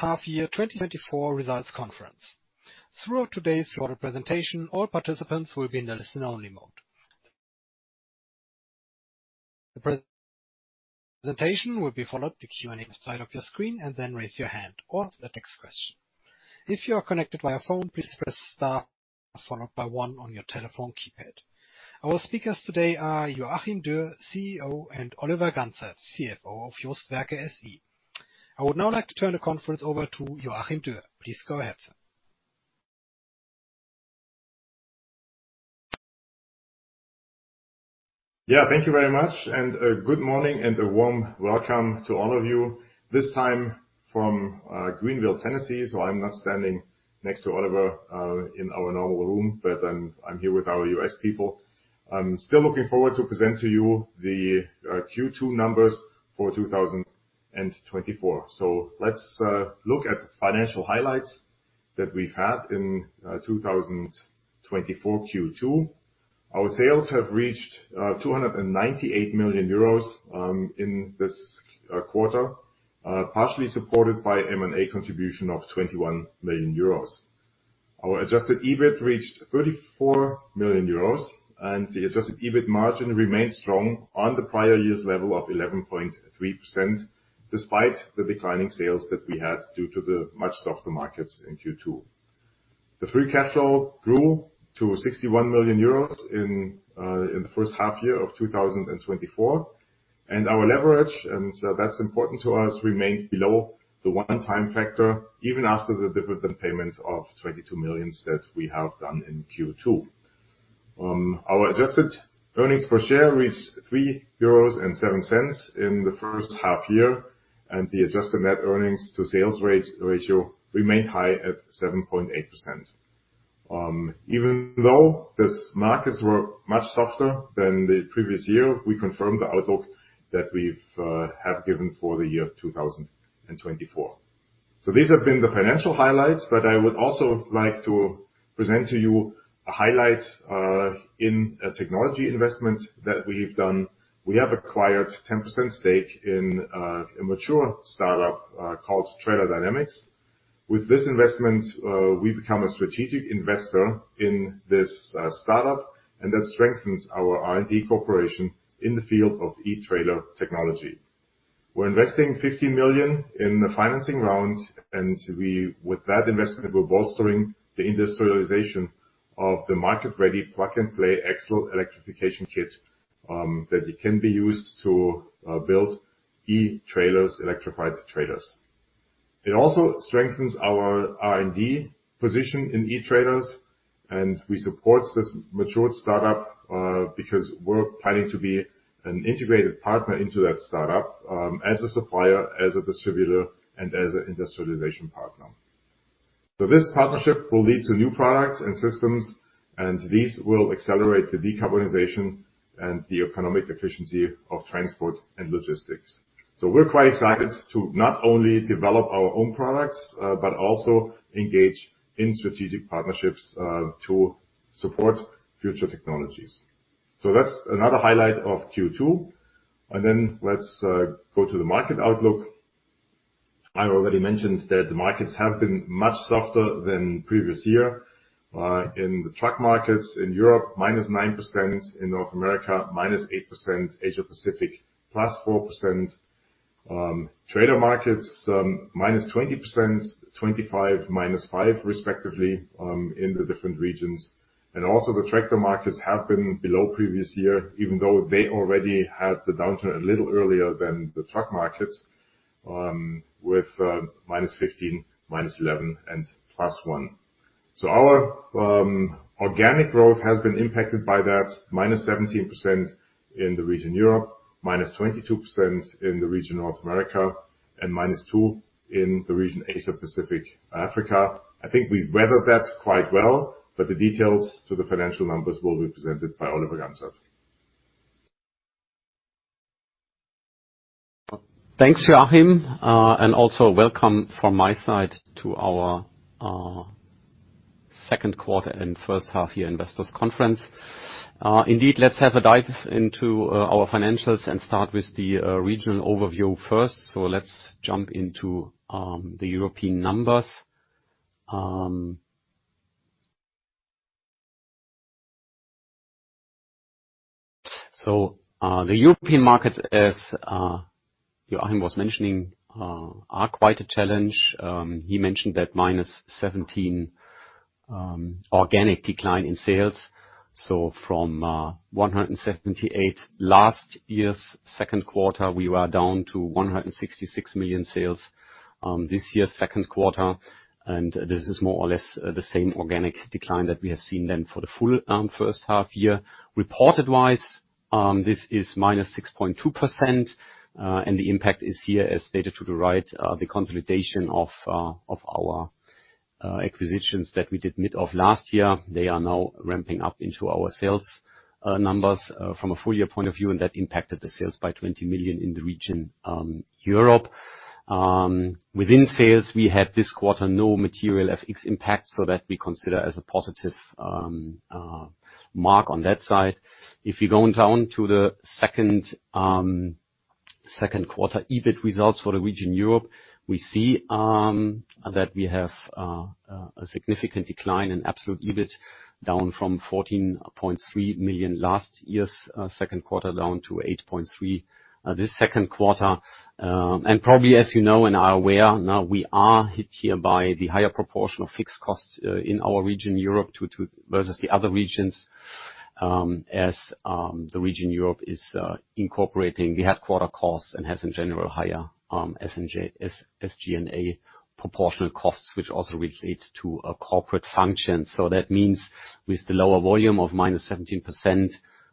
Half-year 2024 results conference. Throughout today's broader presentation, all participants will be in the listen-only mode. The presentation will be followed by the Q&A on the side of your screen, and then raise your hand or a text question. If you are connected via phone, please press star followed by one on your telephone keypad. Our speakers today are Joachim Dürr, CEO, and Oliver Gantzert, CFO of JOST Werke SE. I would now like to turn the conference over to Joachim Dürr. Please go ahead, sir. Yeah, thank you very much, and good morning and a warm welcome to all of you. This time from Greeneville, Tennessee. So I'm not standing next to Oliver in our normal room, but I'm here with our US people. I'm still looking forward to present to you the Q2 numbers for 2024. So let's look at the financial highlights that we've had in 2024, Q2. Our sales have reached 298 million euros in this quarter, partially supported by M&A contribution of 21 million euros. Our adjusted EBIT reached 34 million euros, and the adjusted EBIT margin remained strong on the prior year's level of 11.3%, despite the declining sales that we had due to the much softer markets in Q2. The free cash flow grew to 61 million euros in the first half year of 2024. Our leverage, that's important to us, remained below the 1x, even after the dividend payment of 22 million that we have done in Q2. Our adjusted earnings per share reached 3.07 euros in the first half year, and the adjusted net earnings to sales ratio remained high at 7.8%. Even though these markets were much softer than the previous year, we confirmed the outlook that we have given for the year 2024. These have been the financial highlights, but I would also like to present to you a highlight in a technology investment that we've done. We have acquired a 10% stake in a mature startup called Trailer Dynamics. With this investment, we become a strategic investor in this startup, and that strengthens our R&D cooperation in the field of eTrailer technology. We're investing 50 million in the financing round, and with that investment, we're bolstering the industrialization of the market-ready, plug-and-play axle electrification kit that it can be used to build eTrailers, electrified trailers. It also strengthens our R&D position in eTrailers, and we support this mature startup because we're planning to be an integrated partner into that startup as a supplier, as a distributor, and as an industrialization partner. So this partnership will lead to new products and systems, and these will accelerate the decarbonization and the economic efficiency of transport and logistics. So we're quite excited to not only develop our own products, but also engage in strategic partnerships, to support future technologies. So that's another highlight of Q2, and then let's go to the market outlook. I already mentioned that the markets have been much softer than previous year. In the truck markets, in Europe, -9%, in North America, -8%, Asia Pacific, +4%. Trailer markets, -20%, -25%, -5%, respectively, in the different regions. And also, the tractor markets have been below previous year, even though they already had the downturn a little earlier than the truck markets, with -15, -11, and +1. Our organic growth has been impacted by that -17% in the region Europe, -22% in the region North America, and -2% in the region Asia Pacific, Africa. I think we've weathered that quite well, but the details to the financial numbers will be presented by Oliver Gantzert. Thanks, Joachim, and also welcome from my side to our second quarter and first half year investors conference. Indeed, let's have a dive into our financials and start with the regional overview first. So let's jump into the European numbers. So, the European markets, as Joachim was mentioning, are quite a challenge. He mentioned that -17% organic decline in sales. So from 178 million last year's second quarter, we were down to 166 million sales this year's second quarter. And this is more or less the same organic decline that we have seen then for the full first half year. Reported wise, this is -6.2%, and the impact is here, as stated to the right, the consolidation of our acquisitions that we did mid of last year. They are now ramping up into our sales numbers, from a full year point of view, and that impacted the sales by 20 million in the region, Europe. Within sales, we had this quarter, no material FX impact, so that we consider as a positive mark on that side. If you go down to the second quarter EBIT results for the region Europe. We see that we have a significant decline in absolute EBIT, down from 14.3 million last year's second quarter, down to 8.3 million this second quarter. And probably, as you know and are aware, now we are hit here by the higher proportion of fixed costs in our region, Europe, to versus the other regions, as the region Europe is incurring fixed costs and has, in general, higher SG&A proportional costs, which also relate to a corporate function. So that means with the lower volume of -17%,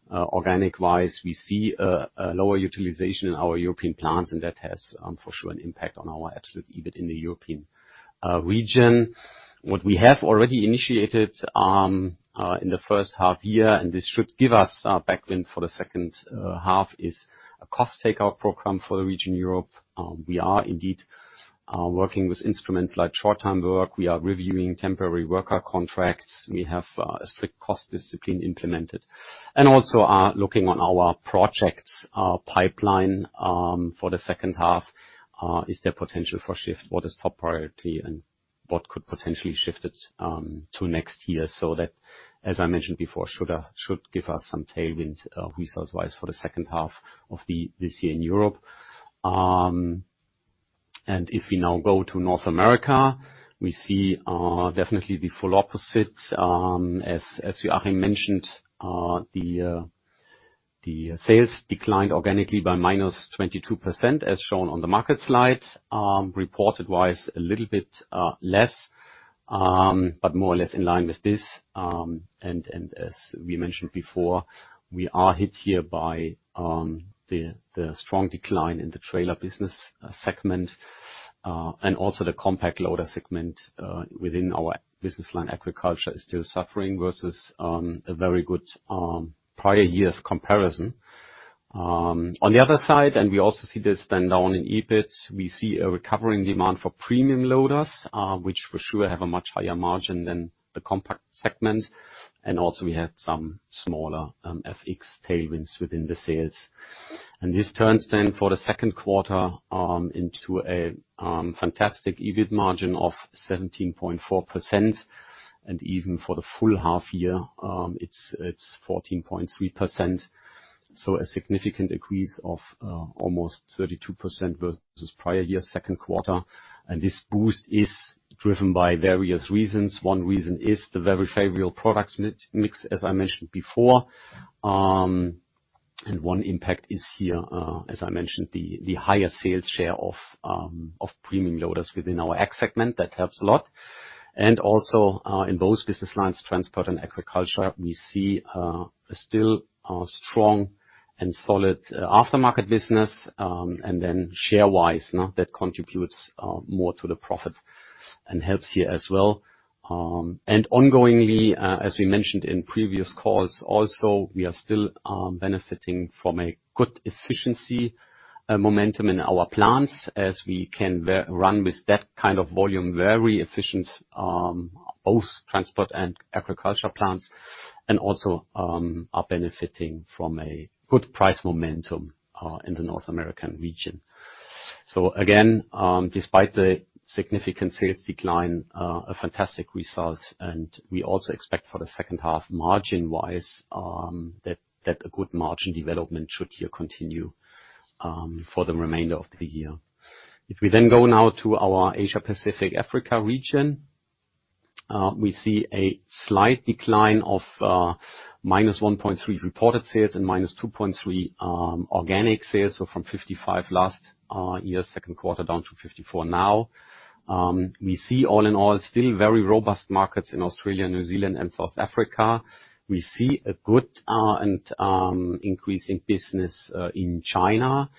organic-wise, we see a lower utilization in our European plants, and that has, for sure, an impact on our absolute EBIT in the European region. What we have already initiated in the first half year, and this should give us a tailwind for the second half, is a cost takeout program for the region Europe. We are indeed working with instruments like short-term work. We are reviewing temporary worker contracts. We have a strict cost discipline implemented. And also looking on our projects pipeline for the second half is there potential for shift? What is top priority, and what could potentially shift it to next year? So that, as I mentioned before, should give us some tailwind result-wise, for the second half of this year in Europe. And if we now go to North America, we see definitely the full opposite. As Joachim mentioned, the sales declined organically by -22%, as shown on the market slides. Reported-wise, a little bit less, but more or less in line with this. As we mentioned before, we are hit here by the strong decline in the trailer business segment and also the compact loader segment within our business line. Agriculture is still suffering versus a very good prior year's comparison. On the other side, and we also see this then down in EBIT, we see a recovering demand for premium loaders, which for sure have a much higher margin than the compact segment. And also, we had some smaller FX tailwinds within the sales. And this turns then for the second quarter into a fantastic EBIT margin of 17.4%, and even for the full half year, it's 14.3%, so a significant increase of almost 32% versus prior year second quarter. This boost is driven by various reasons. One reason is the very favorable product mix, as I mentioned before. And one impact is here, as I mentioned, the higher sales share of premium loaders within our Ag segment. That helps a lot. And also, in both business lines, transport and agriculture, we see a still strong and solid aftermarket business, and then share-wise, now, that contributes more to the profit and helps here as well. And ongoingly, as we mentioned in previous calls, also, we are still benefiting from a good efficiency momentum in our plants, as we can run with that kind of volume, very efficient both transport and agriculture plants, and also are benefiting from a good price momentum in the North American region. So again, despite the significant sales decline, a fantastic result, and we also expect for the second half, margin-wise, that a good margin development should here continue for the remainder of the year. If we then go now to our Asia Pacific Africa region, we see a slight decline of -1.3% reported sales and -2.3% organic sales, so from 55 last year, second quarter, down to 54 now. We see all in all, still very robust markets in Australia, New Zealand, and South Africa. We see a good increase in business in China.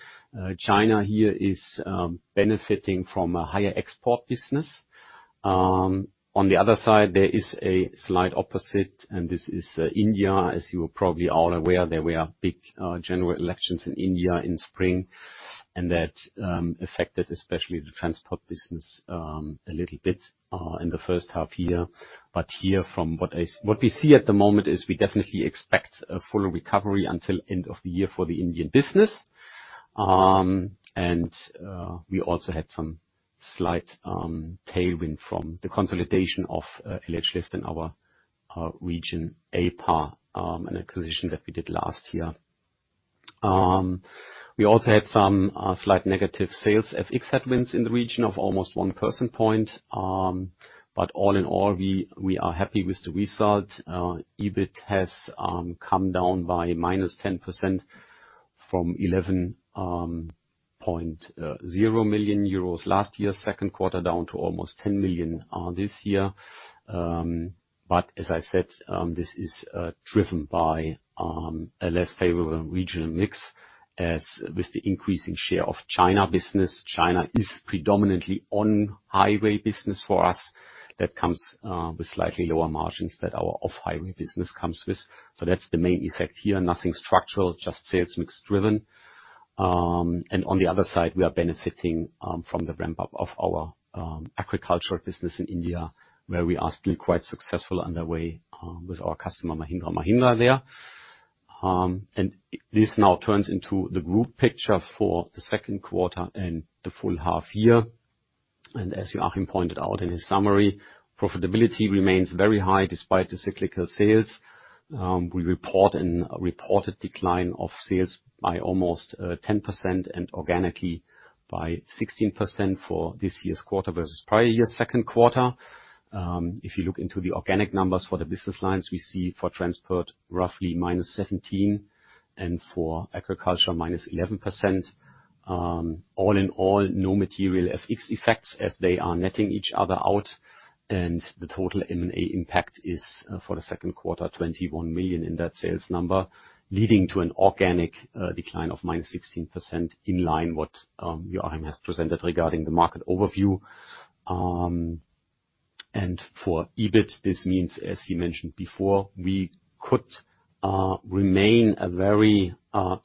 China here is benefiting from a higher export business. On the other side, there is a slight opposite, and this is India. As you are probably all aware, there were big general elections in India in spring, and that affected especially the transport business a little bit in the first half year. But here, from what we see at the moment is we definitely expect a full recovery until end of the year for the Indian business. And we also had some slight tailwind from the consolidation of LH Lift in our region, APA, an acquisition that we did last year. We also had some slight negative sales FX headwinds in the region of almost one percentage point, but all in all, we are happy with the result. EBIT has come down by -10% from 11.0 million euros last year, second quarter, down to almost 10 million this year. But as I said, this is driven by a less favorable regional mix, as with the increasing share of China business. China is predominantly on highway business for us. That comes with slightly lower margins than our off-highway business comes with. So that's the main effect here, nothing structural, just sales mix driven. And on the other side, we are benefiting from the ramp-up of our agricultural business in India, where we are still quite successful underway with our customer. And this now turns into the group picture for the second quarter and the full half year. As Joachim pointed out in his summary, profitability remains very high despite the cyclical sales. We report a reported decline of sales by almost 10%, and organically by 16% for this year's quarter versus prior year's second quarter. If you look into the organic numbers for the business lines, we see for transport, roughly -17, and for agriculture, -11%. All in all, no material FX effects, as they are netting each other out, and the total M&A impact is, for the second quarter, 21 million in that sales number, leading to an organic decline of -16%, in line what Joachim has presented regarding the market overview. And for EBIT, this means, as he mentioned before, we could remain a very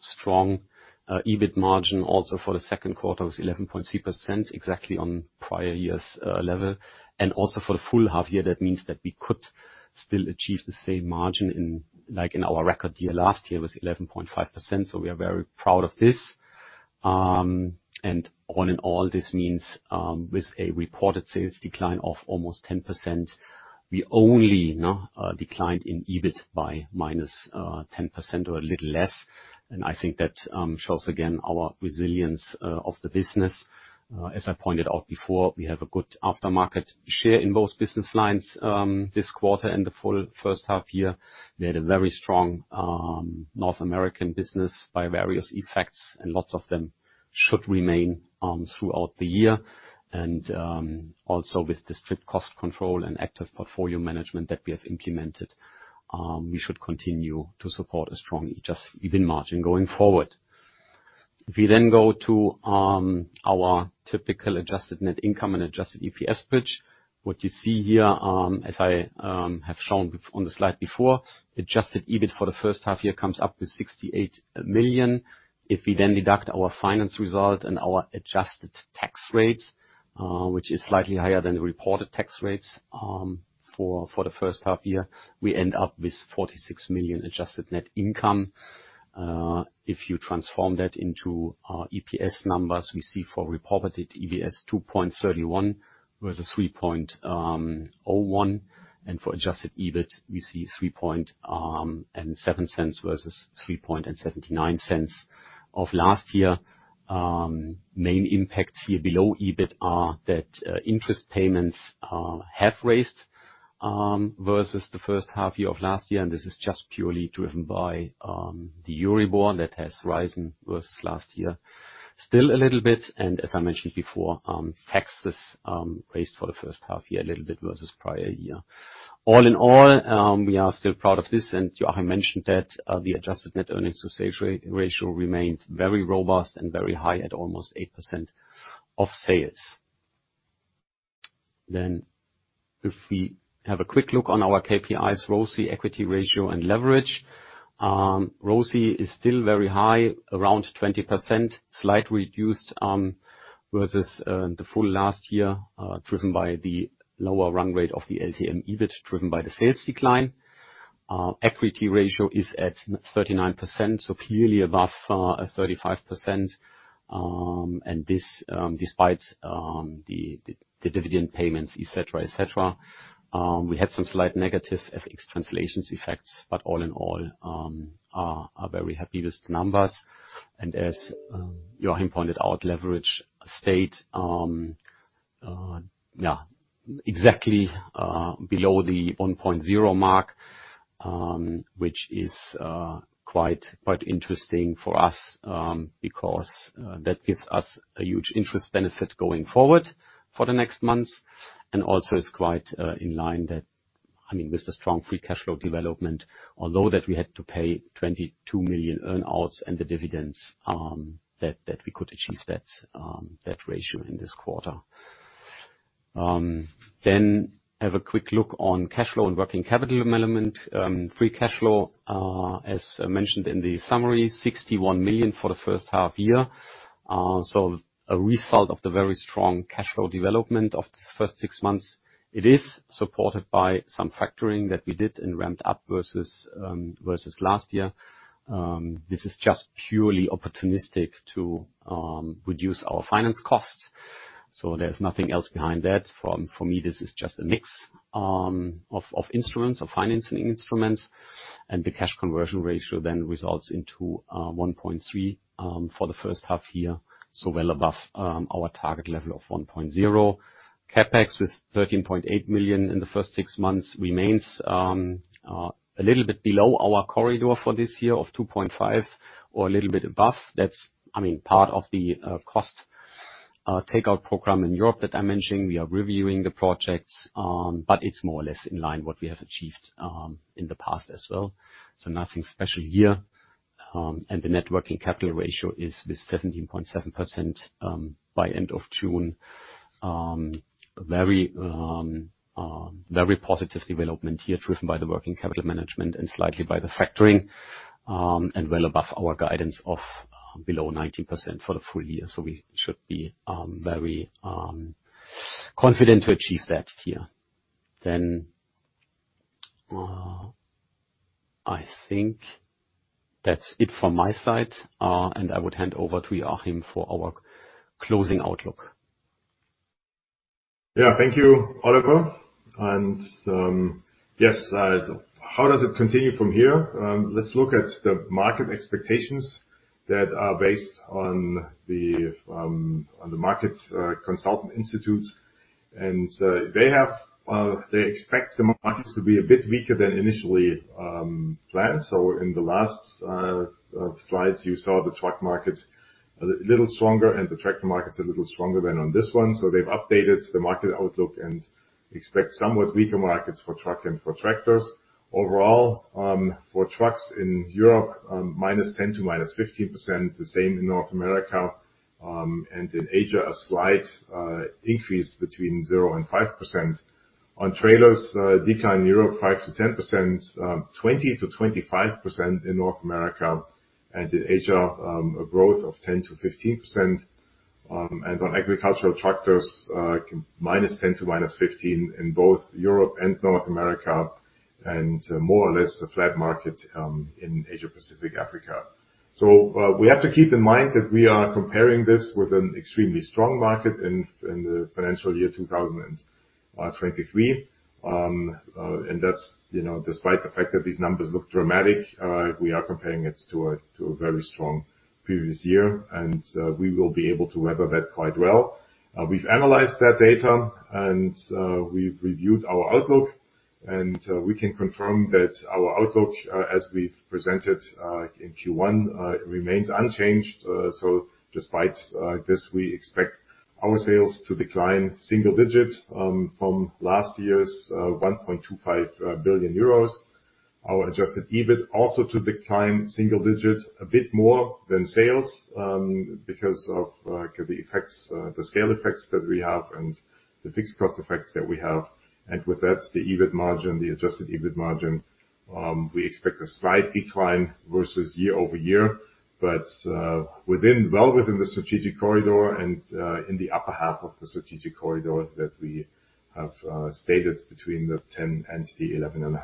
strong EBIT margin also for the second quarter, it was 11.3%, exactly on prior year's level. And also for the full half year, that means that we could still achieve the same margin, like in our record year. Last year was 11.5%, so we are very proud of this. And all in all, this means, with a reported sales decline of almost 10%, we only, no, declined in EBIT by minus 10% or a little less. And I think that shows again our resilience of the business. As I pointed out before, we have a good aftermarket share in both business lines, this quarter and the full first half year. We had a very strong North American business by various effects, and lots of them should remain throughout the year. Also with the strict cost control and active portfolio management that we have implemented, we should continue to support a strong just EBIT margin going forward. If we then go to our typical adjusted net income and adjusted EPS pitch, what you see here, as I have shown before on the slide, adjusted EBIT for the first half year comes up with 68 million. If we then deduct our finance result and our adjusted tax rates, which is slightly higher than the reported tax rates, for the first half year, we end up with 46 million adjusted net income. If you transform that into our EPS numbers, we see for reported EPS, 2.31 versus 3.01. For adjusted EBIT, we see 3.07 versus 3.79 of last year. Main impacts here below EBIT are that interest payments are half raised versus the first half year of last year, and this is just purely driven by the Euribor that has risen versus last year. Still a little bit, and as I mentioned before, taxes raised for the first half year a little bit versus prior year. All in all, we are still proud of this, and Joachim mentioned that the adjusted net earnings to sales ratio remained very robust and very high at almost 8% of sales. Then if we have a quick look on our KPIs, ROCE, equity ratio, and leverage. ROCE is still very high, around 20%, slightly reduced versus the full last year, driven by the lower run rate of the LTM EBIT, driven by the sales decline. Equity ratio is at 39%, so clearly above 35%, and this despite the dividend payments, et cetera, et cetera. We had some slight negative FX translation effects, but all in all, we are very happy with the numbers. And as Joachim pointed out, leverage stayed, yeah, exactly, below the 1.0 mark, which is quite interesting for us, because that gives us a huge interest benefit going forward for the next months. It is also quite in line that, I mean, with the strong free cash flow development, although that we had to pay 22 million earn-outs and the dividends, that we could achieve that ratio in this quarter. Have a quick look on cash flow and working capital development. Free cash flow, as mentioned in the summary, 61 million for the first half year. So a result of the very strong cash flow development of the first six months, it is supported by some factoring that we did and ramped up versus last year. This is just purely opportunistic to reduce our finance costs, so there's nothing else behind that. For me, this is just a mix of instruments of financing instruments, and the cash conversion ratio then results into 1.3 for the first half year, so well above our target level of 1.0. CapEx with 13.8 million in the first six months remains a little bit below our corridor for this year of 2.5 million or a little bit above. That's, I mean, part of the cost takeout program in Europe that I mentioned. We are reviewing the projects, but it's more or less in line what we have achieved in the past as well, so nothing special here. And the net working capital ratio is with 17.7% by end of June. Very positive development here, driven by the working capital management and slightly by the factoring, and well above our guidance of below 19% for the full year. So we should be very confident to achieve that here. Then, I think that's it from my side, and I would hand over to Joachim for our closing outlook. Yeah, thank you, Oliver. And, yes, how does it continue from here? Let's look at the market expectations that are based on the market consultant institutes. And, they expect the markets to be a bit weaker than initially planned. So in the last slides, you saw the truck markets a little stronger and the tractor markets a little stronger than on this one. So they've updated the market outlook and expect somewhat weaker markets for truck and for tractors. Overall, for trucks in, -10%-15%, the same in North America, and in Asia, a slight increase in Europe between 0%-5%. On trailers, decline in Europe, 5%-10%, 20%-25% in North America, and in Asia, a growth of 10%-15%. And on agricultural tractors, minus 10 to minus 15 in both Europe and North America, and more or less a flat market, in Asia, Pacific, Africa. So, we have to keep in mind that we are comparing this with an extremely strong market in, in the financial year, 2023. And that's, you know, despite the fact that these numbers look dramatic, we are comparing it to a, to a very strong previous year, and, we will be able to weather that quite well. We've analyzed that data, and we've reviewed our outlook, and we can confirm that our outlook, as we've presented, in Q1, remains unchanged. So despite this, we expect our sales to decline single digits from last year's 1.25 billion euros. Our adjusted EBIT also to decline single digits, a bit more than sales, because of the effects, the scale effects that we have and the fixed cost effects that we have. And with that, the EBIT margin, the adjusted EBIT margin, we expect a slight decline versus year-over-year, but within, well within the strategic corridor and in the upper half of the strategic corridor that we have stated between 10% and 11.5%.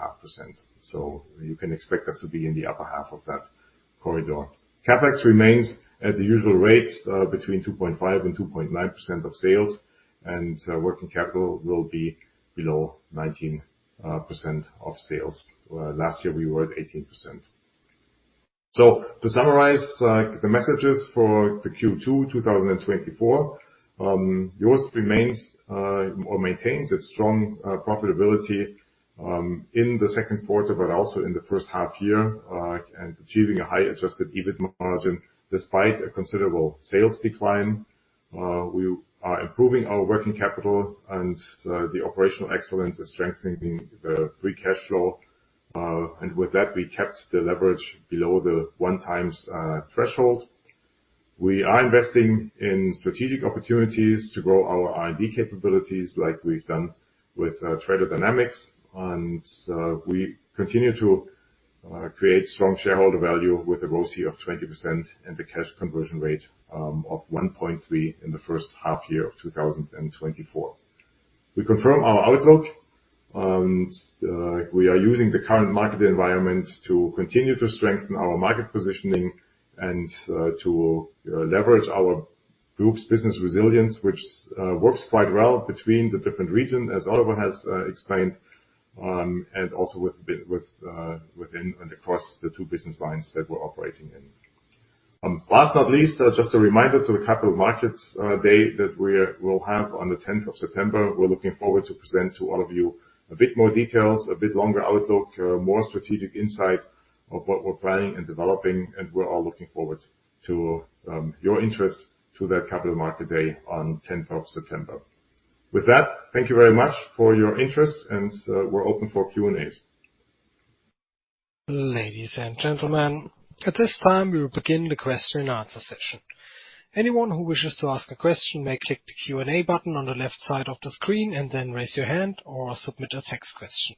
So you can expect us to be in the upper half of that corridor. CapEx remains at the usual rates, between 2.5% and 2.9% of sales, and working capital will be below 19% of sales. Last year, we were at 18%. So to summarize, the messages for the Q2 2024, JOST remains or maintains its strong profitability in the second quarter, but also in the first half year, and achieving a high adjusted EBIT margin despite a considerable sales decline. We are improving our working capital and the operational excellence is strengthening the free cash flow. And with that, we kept the leverage below the 1x threshold. We are investing in strategic opportunities to grow our R&D capabilities like we've done with Trailer Dynamics, and we continue to create strong shareholder value with a ROCE of 20% and the cash conversion rate of 1.3 in the first half year of 2024. We confirm our outlook, and we are using the current market environment to continue to strengthen our market positioning and to leverage our group's business resilience, which works quite well between the different region, as Oliver has explained, and also with both within and across the two business lines that we're operating in. Last but not least, just a reminder to the Capital Markets Day that we'll have on the tenth of September. We're looking forward to present to all of you a bit more details, a bit longer outlook, more strategic insight of what we're planning and developing, and we're all looking forward to your interest to that Capital Market Day on tenth of September. With that, thank you very much for your interest, and we're open for Q&As. Ladies and gentlemen, at this time, we will begin the question and answer session. Anyone who wishes to ask a question may click the Q&A button on the left side of the screen, and then raise your hand or submit a text question.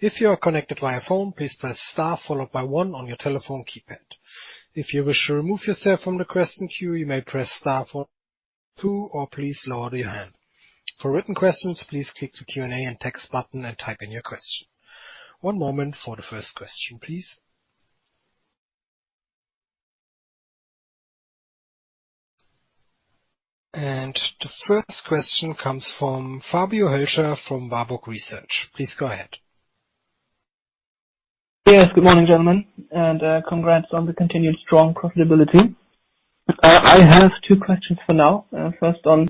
If you are connected via phone, please press star followed by one on your telephone keypad. If you wish to remove yourself from the question queue, you may press star for two, or please lower your hand. For written questions, please click the Q&A and Text button and type in your question. One moment for the first question, please. The first question comes from Fabio Hölscher from Warburg Research. Please go ahead. Yes, good morning, gentlemen, and congrats on the continued strong profitability. I have two questions for now. First on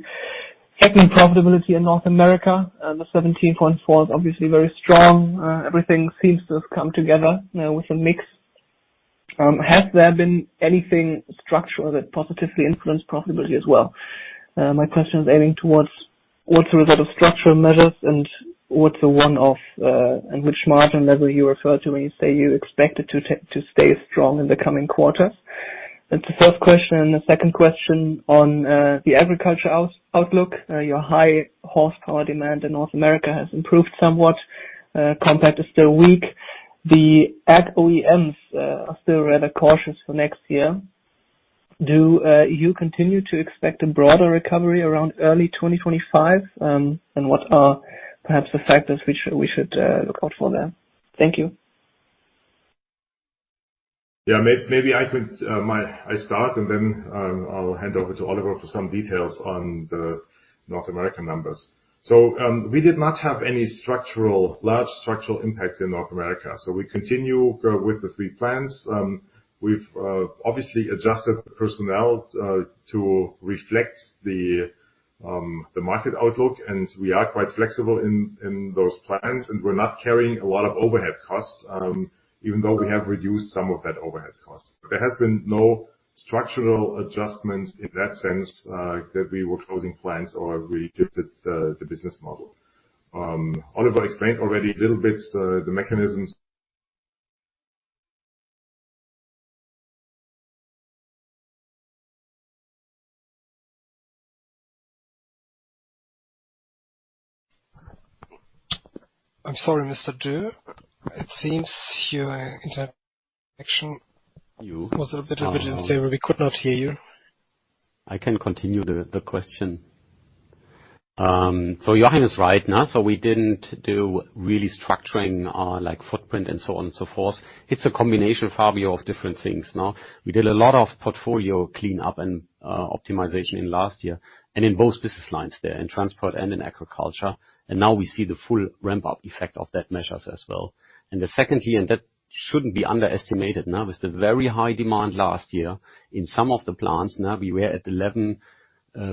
trucking profitability in North America, the 17.4% is obviously very strong. Everything seems to have come together with the mix. Has there been anything structural that positively influenced profitability as well? My question is aiming towards what are the structural measures and what's the one-off, and which margin level you refer to when you say you expect it to stay strong in the coming quarters? That's the first question, and the second question on the agriculture outlook. Your high horsepower demand in North America has improved somewhat. Compact is still weak. The ag OEMs are still rather cautious for next year. ... Do you continue to expect a broader recovery around early 2025? And what are perhaps the factors which we should look out for there? Thank you. Yeah, maybe I could start, and then I'll hand over to Oliver for some details on the North American numbers. So, we did not have any structural, large structural impact in North America, so we continue with the three plants. We've obviously adjusted the personnel to reflect the market outlook, and we are quite flexible in those plants. And we're not carrying a lot of overhead costs, even though we have reduced some of that overhead costs. There has been no structural adjustments in that sense, that we were closing plants or we shifted the business model. Oliver explained already a little bit the mechanisms. I'm sorry, Mr. Dürr. It seems your interaction- You- Was a little bit unstable. We could not hear you. I can continue the question. So Johan is right. So we didn't do really structuring our, like, footprint and so on and so forth. It's a combination, Fabio, of different things. We did a lot of portfolio cleanup and optimization in last year, and in both business lines there, in transport and in agriculture. And now we see the full ramp-up effect of that measures as well. And the secondly, and that shouldn't be underestimated, was the very high demand last year in some of the plants. We were at 11,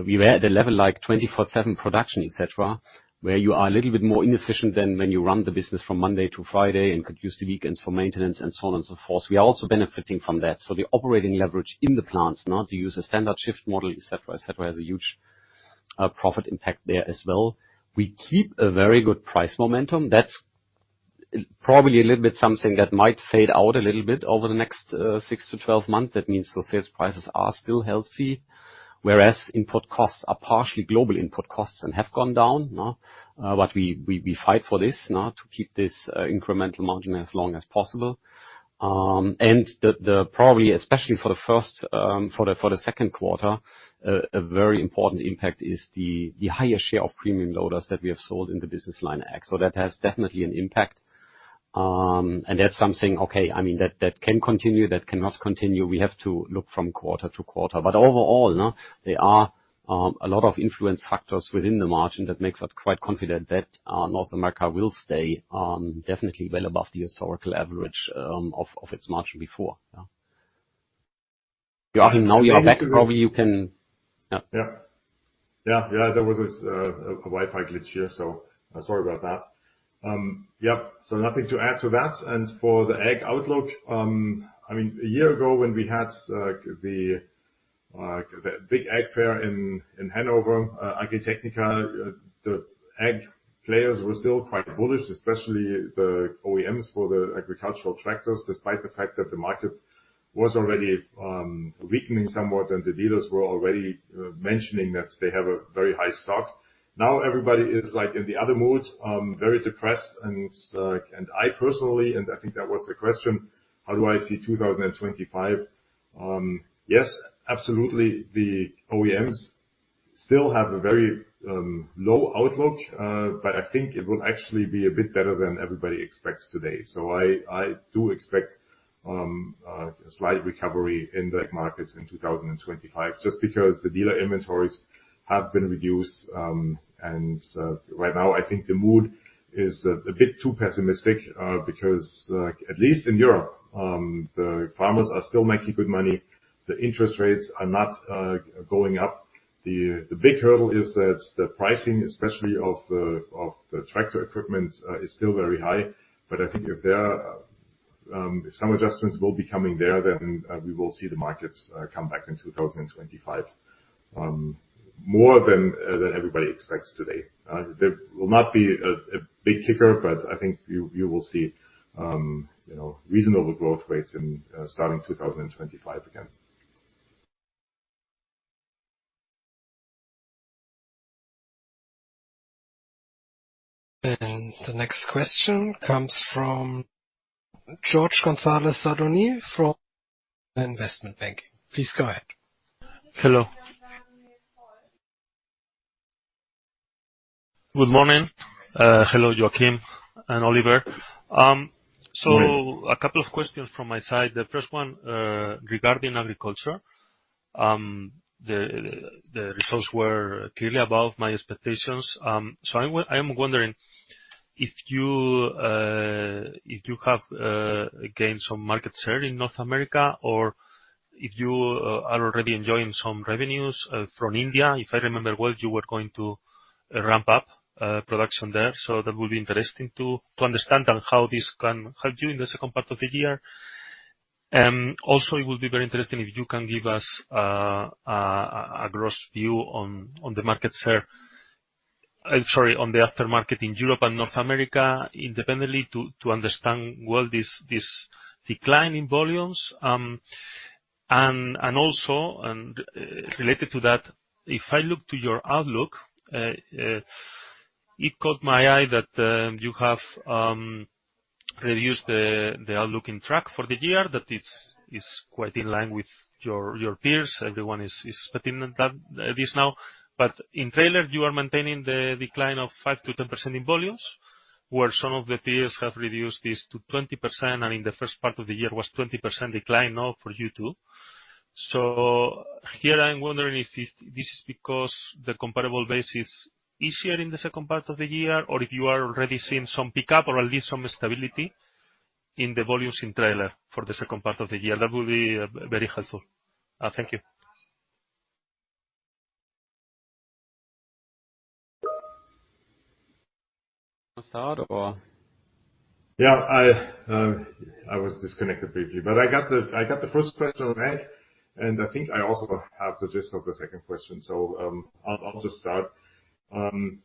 we were at a level like 24/7 production, et cetera, where you are a little bit more inefficient than when you run the business from Monday to Friday and could use the weekends for maintenance and so on and so forth. We are also benefiting from that. So the operating leverage in the plants, to use a standard shift model, et cetera, et cetera, has a huge profit impact there as well. We keep a very good price momentum. That's probably a little bit something that might fade out a little bit over the next 6-12 months. That means the sales prices are still healthy, whereas input costs are partially global input costs and have gone down. But we fight for this to keep this incremental margin as long as possible. And the probably, especially for the second quarter, a very important impact is the higher share of premium loaders that we have sold in the Business Line Ag. So that has definitely an impact. And that's something, okay, I mean, that, that can continue, that cannot continue. We have to look from quarter to quarter. But overall, there are a lot of influence factors within the margin that makes us quite confident that North America will stay definitely well above the historical average of its margin before, yeah. Joachim, now you are back, probably you can... Yeah. Yeah, yeah, there was this, a Wi-Fi glitch here, so, sorry about that. Yeah, so nothing to add to that. And for the Ag outlook, I mean, a year ago, when we had, the big Ag fair in Hanover, Agritechnica, the Ag players were still quite bullish, especially the OEMs for the agricultural tractors, despite the fact that the market was already weakening somewhat, and the dealers were already mentioning that they have a very high stock. Now, everybody is, like, in the other mood, very depressed and, and I personally, and I think that was the question: How do I see 2025? Yes, absolutely, the OEMs still have a very low outlook, but I think it will actually be a bit better than everybody expects today. I do expect a slight recovery in the Ag markets in 2025, just because the dealer inventories have been reduced. Right now, I think the mood is a bit too pessimistic, because at least in Europe, the farmers are still making good money. The interest rates are not going up. The big hurdle is that the pricing, especially of the tractor equipment, is still very high. But I think if there some adjustments will be coming there, then we will see the markets come back in 2025, more than everybody expects today. There will not be a big kicker, but I think you will see you know reasonable growth rates in starting 2025 again. The next question comes from Jorge Gonzalez Sadornil from Investment Banking. Please go ahead. Hello. Good morning. Hello, Joachim and Oliver. Hi. A couple of questions from my side. The first one, regarding agriculture. The results were clearly above my expectations. So I am wondering if you have gained some market share in North America, or if you are already enjoying some revenues from India. If I remember well, you were going to ramp up production there, so that would be interesting to understand on how this can help you in the second part of the year. Also, it would be very interesting if you can give us a gross view on the market share—sorry, on the aftermarket in Europe and North America independently, to understand well this decline in volumes. And also, related to that, if I look to your outlook, it caught my eye that you have reduce the outlook in truck for the year, that it is quite in line with your peers. Everyone is expecting that this now. But in trailer, you are maintaining the decline of 5%-10% in volumes, where some of the peers have reduced this to 20%, and in the first part of the year was 20% decline now for you, too. So here I'm wondering if this is because the comparable base is easier in the second part of the year, or if you are already seeing some pickup or at least some stability in the volumes in trailer for the second part of the year? That would be very helpful. Thank you. Yeah, I, I was disconnected briefly, but I got the first question, right, and I think I also have the gist of the second question. So, I'll just start.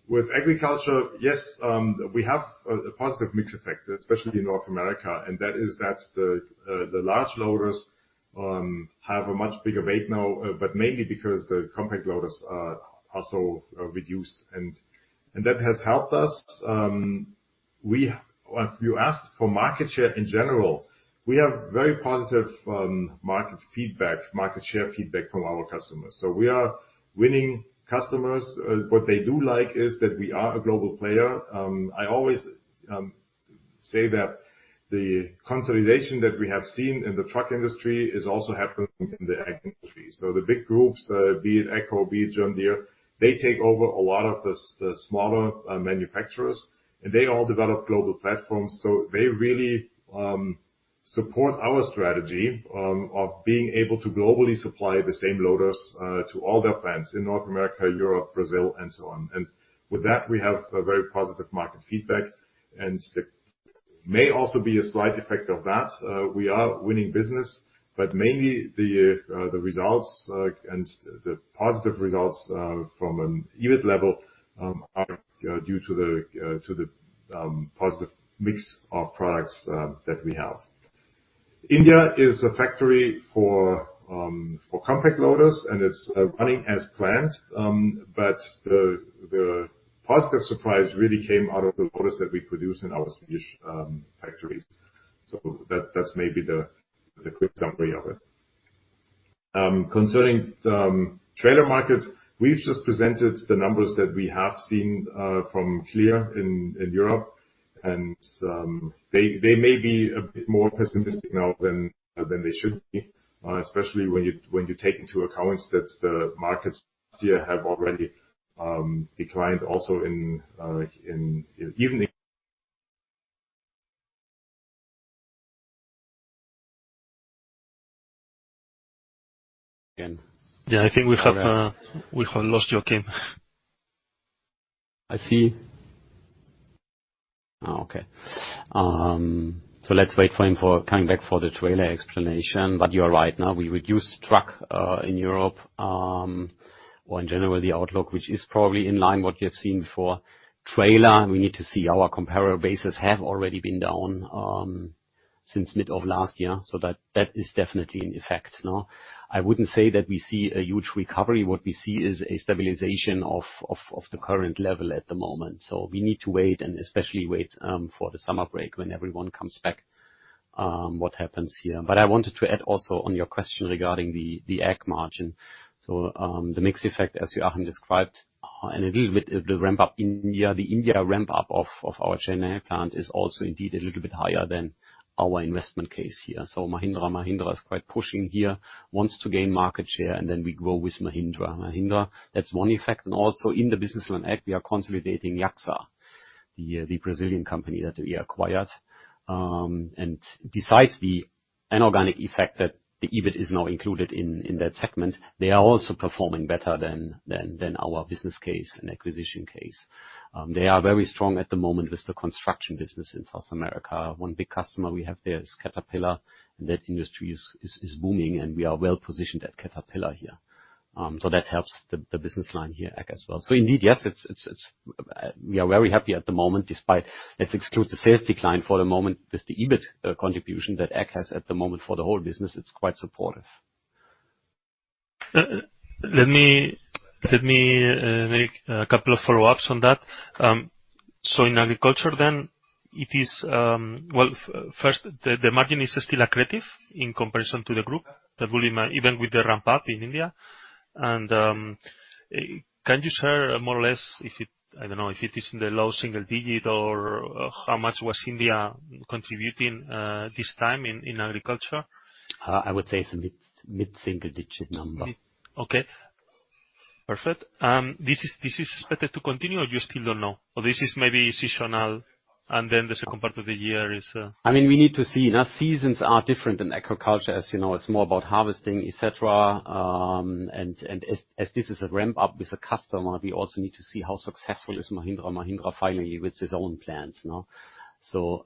With agriculture, yes, we have a positive mix effect, especially in North America, and that is that the large loaders have a much bigger weight now, but mainly because the compact loaders also reduced, and that has helped us. You asked for market share in general. We have very positive market feedback, market share feedback from our customers, so we are winning customers. What they do like is that we are a global player. I always say that the consolidation that we have seen in the truck industry is also happening in the AGCO industry. So the big groups, be it AGCO, be it John Deere, they take over a lot of the smaller manufacturers, and they all develop global platforms. So they really support our strategy of being able to globally supply the same loaders to all their plants in North America, Europe, Brazil, and so on. And with that, we have a very positive market feedback, and there may also be a slight effect of that. We are winning business, but mainly the results and the positive results from an EBIT level are due to the positive mix of products that we have. India is a factory for compact loaders, and it's running as planned. But the positive surprise really came out of the loaders that we produce in our Swedish factories. So that's maybe the quick summary of it. Concerning the trailer markets, we've just presented the numbers that we have seen from clear in Europe, and they may be a bit more pessimistic now than they should be, especially when you take into account that the markets here have already declined also in even- Yeah, I think we have lost Joachim. I see. Oh, okay. So let's wait for him for coming back for the trailer explanation. But you are right, now we reduce truck, in Europe, or in general, the outlook, which is probably in line what you have seen for trailer. We need to see our comparable bases have already been down, since mid of last year, so that is definitely in effect now. I wouldn't say that we see a huge recovery. What we see is a stabilization of the current level at the moment. So we need to wait, and especially wait, for the summer break when everyone comes back, what happens here. But I wanted to add also on your question regarding the ag margin. So, the mix effect, as Joachim described, and a little bit of the ramp-up India, the India ramp-up of our Chennai plant is also indeed a little bit higher than our investment case here. So Mahindra &Mahindra is quite pushing here, wants to gain market share, and then we grow with Mahindra & Mahindra, that's one effect, and also in the business line ag, we are consolidating Crenlo, the Brazilian company that we acquired. And besides the inorganic effect, that the EBIT is now included in that segment, they are also performing better than our business case and acquisition case. They are very strong at the moment with the construction business in South America. One big customer we have there is Caterpillar, and that industry is booming, and we are well positioned at Caterpillar here. So that helps the business line here, ag as well. So indeed, yes, it's. We are very happy at the moment, despite let's exclude the sales decline for the moment, with the EBIT contribution that ag has at the moment for the whole business, it's quite supportive. Let me make a couple of follow-ups on that. So in agriculture then, it is well, first, the margin is still accretive in comparison to the group, the volume, even with the ramp-up in India. Can you share more or less if it, I don't know, if it is in the low single digit or how much was India contributing, this time in agriculture? I would say it's a mid, mid single digit number. Okay. Perfect. This is expected to continue, or you still don't know? Or this is maybe seasonal, and then the second part of the year is, I mean, we need to see. Now, seasons are different in agriculture, as you know. It's more about harvesting, et cetera. And as this is a ramp-up with the customer, we also need to see how successful is Mahindra & Mahindra finally with its own plans, no? So,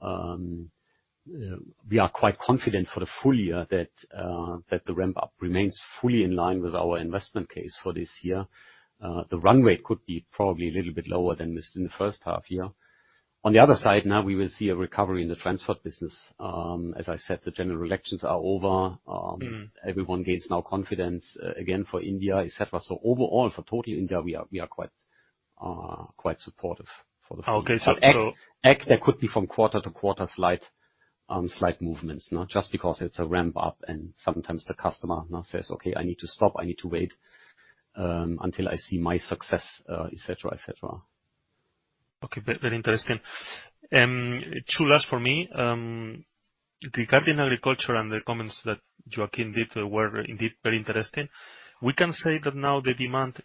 we are quite confident for the full year that, that the ramp-up remains fully in line with our investment case for this year. The runway could be probably a little bit lower than this in the first half year. On the other side, now we will see a recovery in the transport business. As I said, the general elections are over. Mm-hmm. Everyone gains now confidence, again, for India, et cetera. So overall, for total India, we are quite supportive for the future. Okay, so- But there could be from quarter to quarter, slight, slight movements, no? Just because it's a ramp up, and sometimes the customer now says, "Okay, I need to stop. I need to wait until I see my success," et cetera, et cetera. Okay, very, very interesting. Two last for me. Regarding agriculture and the comments that Joachim did were indeed very interesting. We can say that now the demand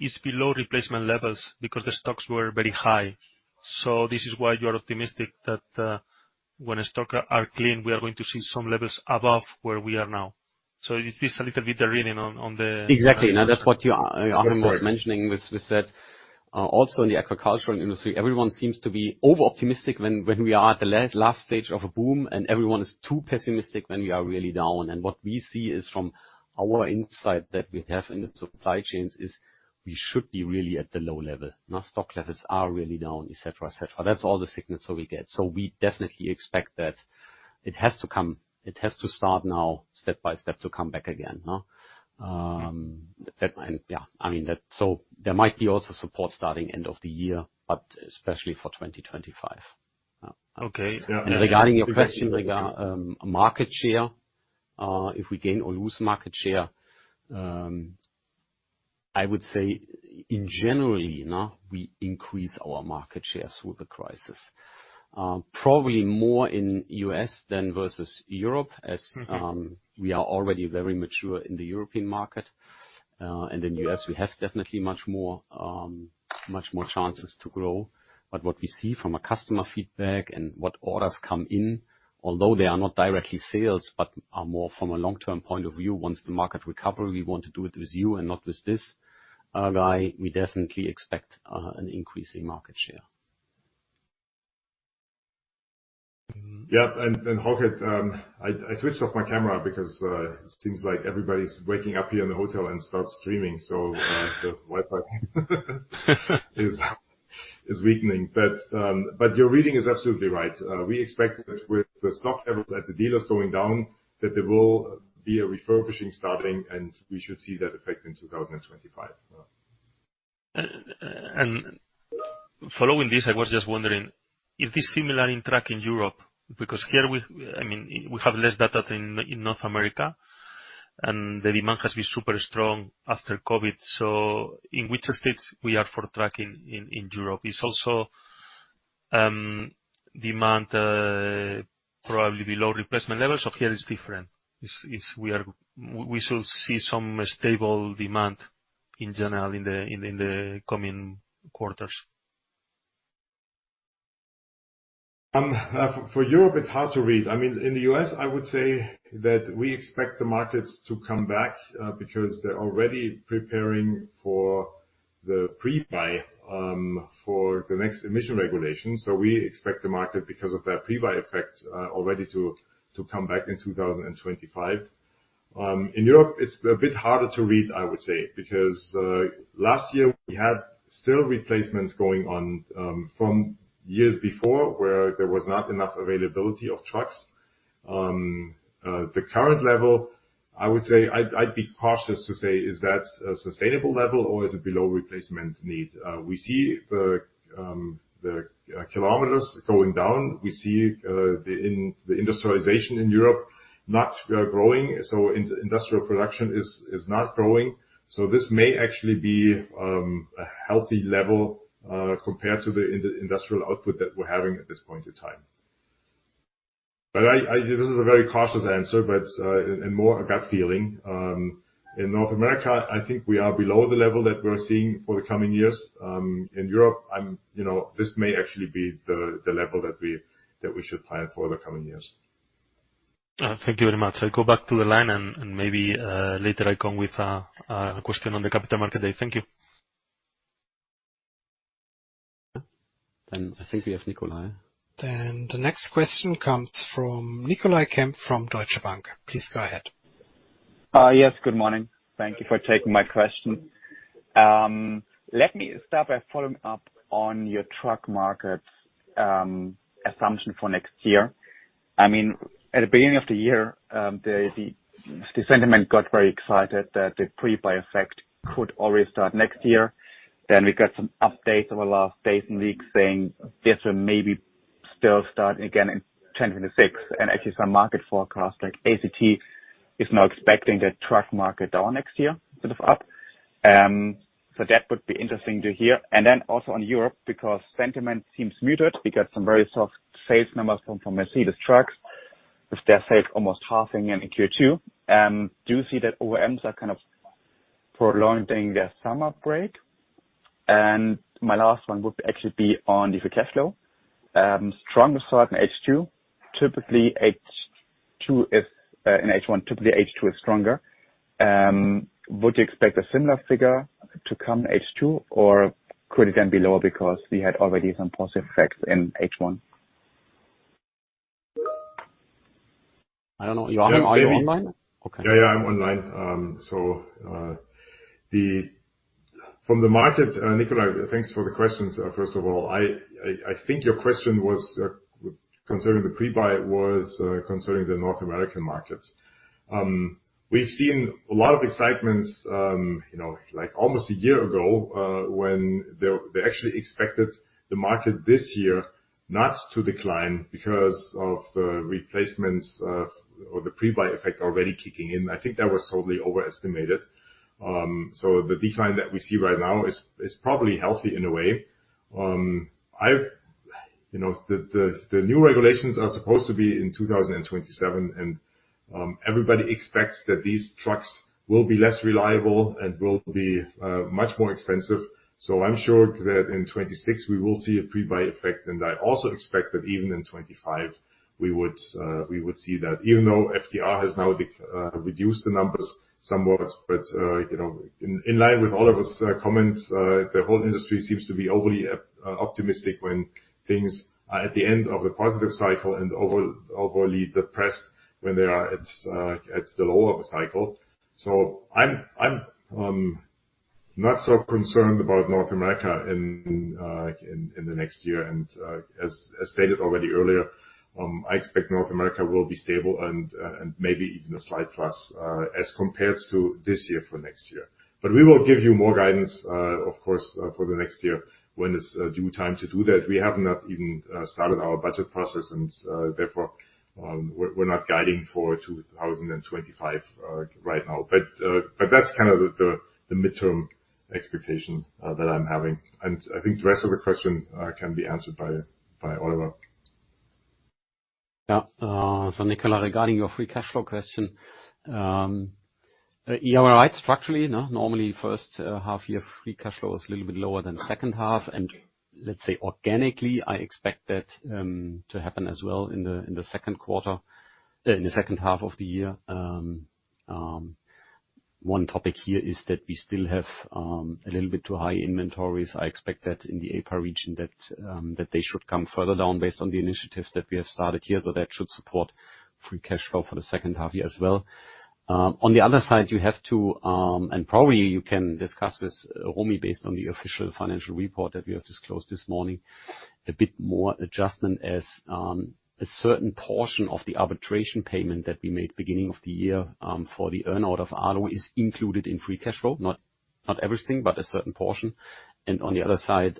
is below replacement levels because the stocks were very high, so this is why you are optimistic that, when stocks are clean, we are going to see some levels above where we are now. So is this a little bit the reading on, on the- Exactly. Now, that's what you, Joachim was mentioning, with, we said, also in the agricultural industry, everyone seems to be over-optimistic when, when we are at the last stage of a boom, and everyone is too pessimistic when we are really down. And what we see is from our insight that we have in the supply chains, is we should be really at the low level. Now, stock levels are really down, et cetera, et cetera. That's all the signals that we get. So we definitely expect that it has to come, it has to start now, step by step, to come back again. That and. I mean, that. So there might be also support starting end of the year, but especially for 2025. Okay, yeah. Regarding your question regarding market share, if we gain or lose market share, I would say in general, you know, we increase our market shares through the crisis. Probably more in U.S. than versus Europe- Mm-hmm... as, we are already very mature in the European market. And in U.S., we have definitely much more, much more chances to grow. But what we see from a customer feedback and what orders come in, although they are not directly sales, but are more from a long-term point of view, "Once the market recover, we want to do it with you and not with this, guy," we definitely expect an increase in market share. Mm-hmm. Yeah, and, I switched off my camera because it seems like everybody's waking up here in the hotel and start streaming, so the Wi-Fi is weakening. But your reading is absolutely right. We expect that with the stock levels at the dealers going down, that there will be a refurbishing starting, and we should see that effect in 2025. Following this, I was just wondering, is this similar in truck in Europe? Because here, I mean, we have less data than in North America, and the demand has been super strong after COVID. So in which stage we are for trucking in Europe? It's also demand probably below replacement levels, so here it's different. We should see some stable demand in general, in the coming quarters. For Europe, it's hard to read. I mean, in the US, I would say that we expect the markets to come back, because they're already preparing for the pre-buy, for the next emission regulation. So we expect the market, because of that pre-buy effect, already to come back in 2025. In Europe, it's a bit harder to read, I would say, because, last year, we had still replacements going on, from years before, where there was not enough availability of trucks. The current level, I would say, I'd be cautious to say, is that a sustainable level or is it below replacement need? We see the kilometers going down. We see the industrialization in Europe not growing, so industrial production is not growing. So this may actually be a healthy level compared to the industrial output that we're having at this point in time. But this is a very cautious answer, but and more a gut feeling. In North America, I think we are below the level that we're seeing for the coming years. In Europe, you know, this may actually be the level that we should plan for the coming years. Thank you very much. I'll go back to the line, and maybe later I come with a question on the capital market day. Thank you. Then I think we have Nikolai. The next question comes from Nikolai Kemp from Deutsche Bank. Please go ahead. Yes. Good morning. Thank you for taking my question. Let me start by following up on your truck market assumption for next year. I mean, at the beginning of the year, the sentiment got very excited that the pre-buy effect could already start next year. Then we got some updates over the last days and weeks saying this will maybe still start again in 2026. And actually, some market forecasts, like ACT, is now expecting the truck market down next year, instead of up. So that would be interesting to hear. And then also on Europe, because sentiment seems muted, we got some very soft sales numbers from Mercedes trucks, with their sales almost halving in Q2. Do you see that OEMs are kind of prolonging their summer break? And my last one would actually be on the free cash flow. Stronger start in H2. Typically, H2 is stronger. Would you expect a similar figure to come in H2, or could it then be lower because we had already some positive effects in H1?... I don't know, Joachim, are you online? Okay. Yeah, yeah, I'm online. So from the market, Nikolai, thanks for the questions, first of all. I think your question was concerning the pre-buy concerning the North American markets. We've seen a lot of excitement, you know, like almost a year ago, when they actually expected the market this year not to decline because of the replacements of, or the pre-buy effect already kicking in. I think that was totally overestimated. So the decline that we see right now is probably healthy in a way. You know, the new regulations are supposed to be in 2027, and everybody expects that these trucks will be less reliable and will be much more expensive. So I'm sure that in 2026 we will see a pre-buy effect, and I also expect that even in 2025, we would see that. Even though FTR has now reduced the numbers somewhat, but you know, in line with all of us comments, the whole industry seems to be overly optimistic when things are at the end of the positive cycle and overly depressed when they are at the lower of the cycle. So I'm not so concerned about North America in the next year, and as stated already earlier, I expect North America will be stable and maybe even a slight plus, as compared to this year for next year. But we will give you more guidance, of course, for the next year when it's due time to do that. We have not even started our budget process and, therefore, we're not guiding for 2025 right now. But that's kind of the midterm expectation that I'm having. And I think the rest of the question can be answered by Oliver. Yeah. So Nikolai, regarding your free cash flow question, you are right structurally, you know? Normally, first half year free cash flow is a little bit lower than second half. And let's say, organically, I expect that to happen as well in the second quarter, in the second half of the year. One topic here is that we still have a little bit too high inventories. I expect that in the APAC region that they should come further down based on the initiatives that we have started here, so that should support free cash flow for the second half year as well. On the other side, you have to, and probably you can discuss this, Romy, based on the official financial report that we have disclosed this morning, a bit more adjustment as a certain portion of the arbitration payment that we made beginning of the year for the earn-out of Ålö is included in free cash flow. Not everything, but a certain portion. And on the other side,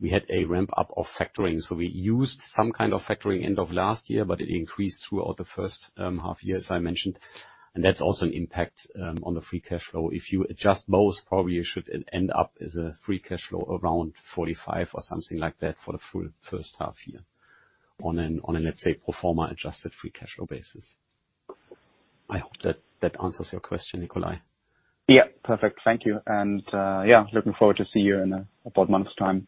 we had a ramp-up of factoring. So we used some kind of factoring end of last year, but it increased throughout the first half year, as I mentioned, and that's also an impact on the free cash flow. If you adjust both, probably you should end up as a free cash flow around 45 or something like that for the full first half year on a, let's say, pro forma adjusted free cash flow basis. I hope that answers your question, Nikolai. Yeah. Perfect. Thank you. Yeah, looking forward to see you in about a month's time.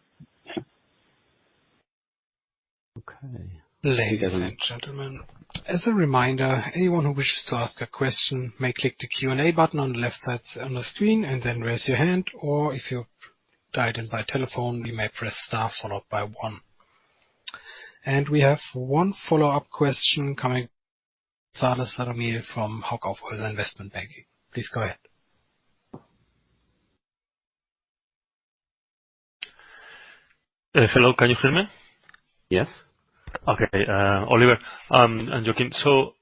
Okay. Ladies and gentlemen, as a reminder, anyone who wishes to ask a question may click the Q&A button on the left side on the screen and then raise your hand, or if you're dialed in by telephone, you may press star followed by one. We have one follow-up question coming, Carlos Ramirez from Hauck Aufhäuser Investment Banking. Please go ahead. Hello, can you hear me? Yes. Okay, Oliver, and Joachim. So,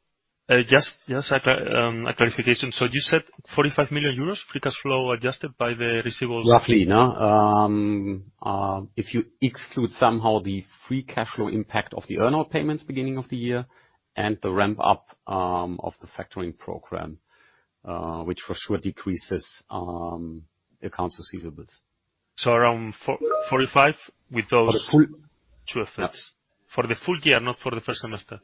just a clarification. So you said 45 million euros free cash flow, adjusted by the receivables? Roughly, you know. If you exclude somehow the free cash flow impact of the earn-out payments beginning of the year and the ramp up of the factoring program, which for sure decreases accounts receivables. So around 45 with those For the full- Two effects. For the full year, not for the first semester?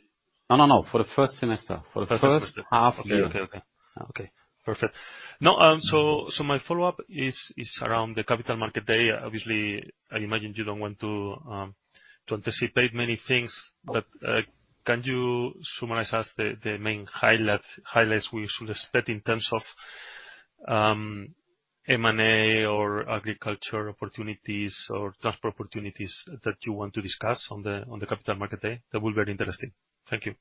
No, no, no, for the first semester. For the first half of the year. Okay. Okay, okay. Okay, perfect. Now, so my follow-up is around the capital market day. Obviously, I imagine you don't want to to anticipate many things, but can you summarize us the main highlights we should expect in terms of M&A or agriculture opportunities or transfer opportunities that you want to discuss on the capital market day? That will be very interesting. Thank you.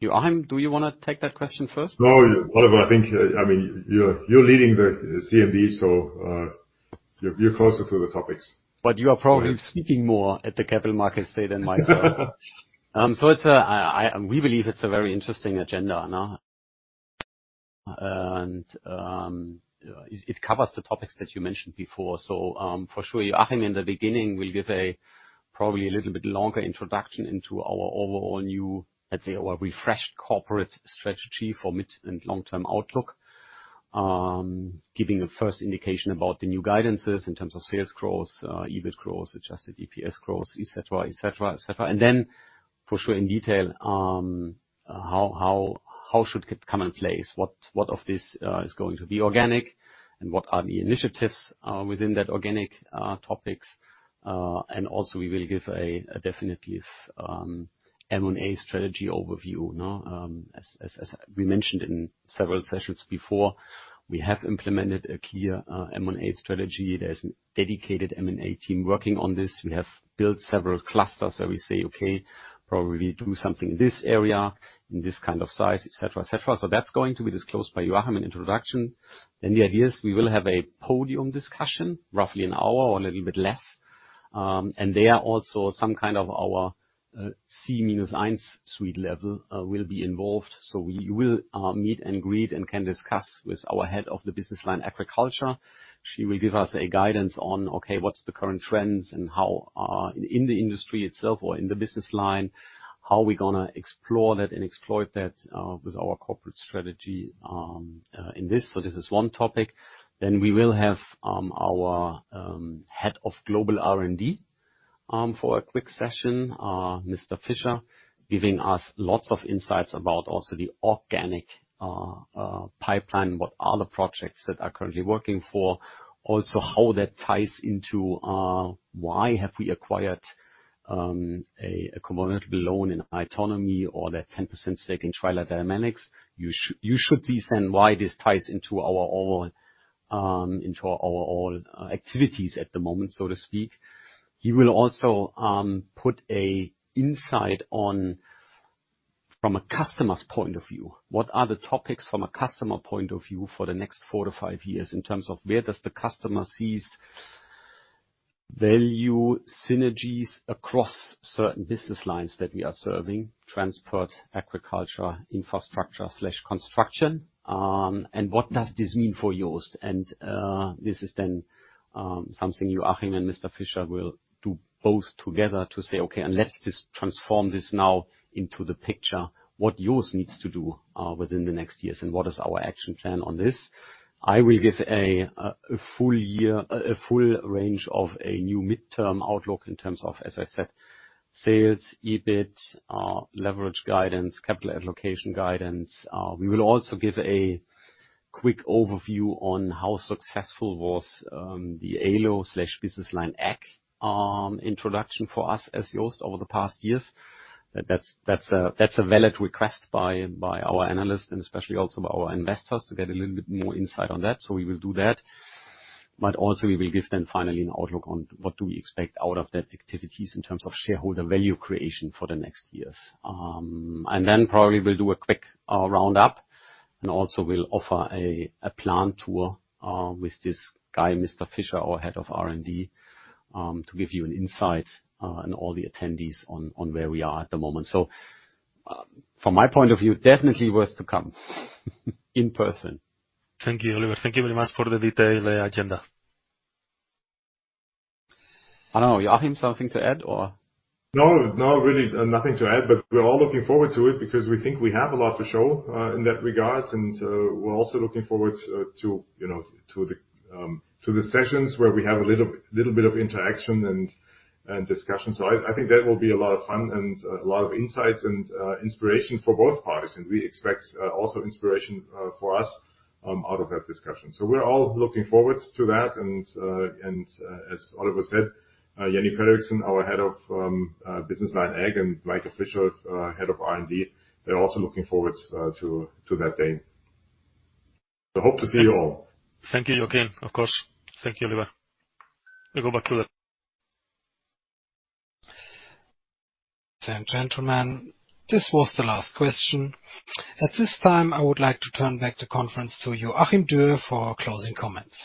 Joachim, do you wanna take that question first? No, Oliver, I think, I mean, you're leading the CMD, so, you're closer to the topics. But you are probably speaking more at the capital markets day than myself. We believe it's a very interesting agenda, you know? And it covers the topics that you mentioned before. So, for sure, Joachim, in the beginning, will give probably a little bit longer introduction into our overall new, let's say, our refreshed corporate strategy for mid- and long-term outlook. Giving a first indication about the new guidances in terms of sales growth, EBIT growth, adjusted EPS growth, et cetera, et cetera, et cetera. And then, for sure, in detail, how should it come in place? What of this is going to be organic, and what are the initiatives within that organic topics? And also we will give a definitive M&A strategy overview, you know. As we mentioned in several sessions before, we have implemented a clear M&A strategy. There's a dedicated M&A team working on this. We have built several clusters, so we say, "Okay, probably do something in this area, in this kind of size," et cetera, et cetera. So that's going to be disclosed by Joachim in introduction. Then the idea is we will have a podium discussion, roughly an hour or a little bit less. And there are also some kind of our C-minus-1 suite level will be involved. So we will meet and greet, and can discuss with our head of the business line, agriculture. She will give us a guidance on, okay, what's the current trends and how, in the industry itself or in the business line, how are we gonna explore that and exploit that, with our corporate strategy, in this. So this is one topic. Then we will have, our head of global R&D, for a quick session. Mr. Fischer, giving us lots of insights about also the organic, pipeline. What are the projects that are currently working for? Also, how that ties into, why have we acquired, a component loader Ålö or that 10% stake in Trailer Dynamics? You should see then why this ties into our overall, into our overall activities at the moment, so to speak. He will also put an insight on, from a customer's point of view, what are the topics from a customer point of view for the next four to five years, in terms of where does the customer sees value synergies across certain business lines that we are serving, transport, agriculture, infrastructure/construction, and what does this mean for JOST? And this is then something you, Joachim and Mr. Fischer, will do both together to say, "Okay, and let's just transform this now into the picture. What JOST needs to do within the next years, and what is our action plan on this?" I will give a full range of a new mid-term outlook in terms of, as I said, sales, EBIT, leverage guidance, capital allocation guidance. We will also give a quick overview on how successful was the ALO/business line ag introduction for us as JOST over the past years. That's a valid request by our analysts and especially also by our investors, to get a little bit more insight on that, so we will do that. But also we will give them finally an outlook on what do we expect out of that activities in terms of shareholder value creation for the next years. And then probably we'll do a quick roundup, and also we'll offer a plant tour with this guy, Mr. Fischer, our head of R&D, to give you an insight and all the attendees on where we are at the moment. So, from my point of view, definitely worth to come in person. Thank you, Oliver. Thank you very much for the detailed agenda. I don't know, Joachim, something to add, or? No, not really, nothing to add, but we're all looking forward to it because we think we have a lot to show in that regard. And we're also looking forward to, you know, the sessions where we have a little bit of interaction and discussion. So I think that will be a lot of fun and a lot of insights and inspiration for both parties. And we expect also inspiration for us out of that discussion. So we're all looking forward to that, and as Oliver said, Jannie Frederiksen, our head of business line ag, and Michael Fischer, head of R&D, they're also looking forward to that day. So hope to see you all. Thank you, Joachim. Of course. Thank you, Oliver. We go back to that. Then, gentlemen, this was the last question. At this time, I would like to turn back the conference to you, Joachim Dürr, for closing comments.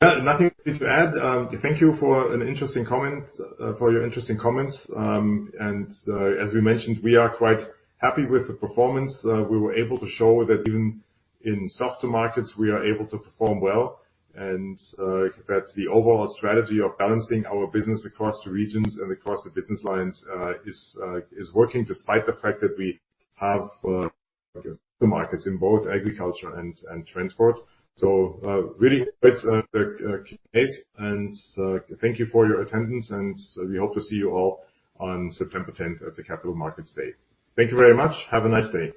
Nothing to add. Thank you for an interesting comment, for your interesting comments. As we mentioned, we are quite happy with the performance. We were able to show that even in softer markets, we are able to perform well. That the overall strategy of balancing our business across the regions and across the business lines is working, despite the fact that we have the markets in both agriculture and transport. Really it's a case, and thank you for your attendance, and we hope to see you all on September tenth at the Capital Markets Day. Thank you very much. Have a nice day.